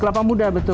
kelapa muda betul